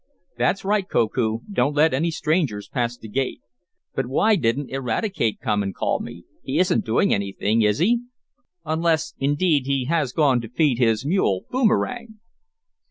"That's right, Koku. Don't let any strangers past the gate. But why didn't Eradicate come and call me. He isn't doing anything, is he? Unless, indeed, he has gone to feed his mule, Boomerang."